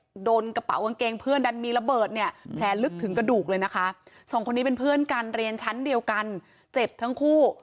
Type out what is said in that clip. ก็โดนกระเป๋ากางเกงเพื่อนดันมีระเบิดเนี่ยแผลลึกถึงกระดูกเลยนะคะสองคนนี้เป็นเพื่อนกันเรียนชั้นเดียวกันเจ็บทั้งคู่